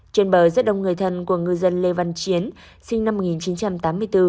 trên bờ rất đông người thân của ngư dân lê văn chiến sinh năm một nghìn chín trăm tám mươi bốn